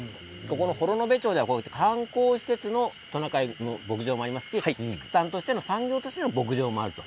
幌延町では観光施設のトナカイの牧場もありますし畜産としての産業としての牧場もあると。